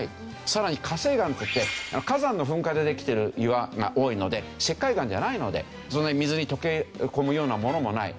さらに火成岩といって火山の噴火でできている岩が多いので石灰岩じゃないのでそんなに水に溶け込むようなものもない。